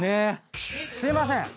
すいません。